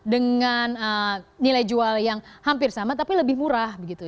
dengan nilai jual yang hampir sama tapi lebih murah begitu